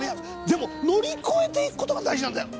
でも乗り越えていくことが大事なんだよ。